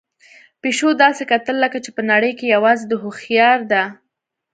پيشو داسې کتل لکه چې په نړۍ کې یوازې ده هوښیار ده.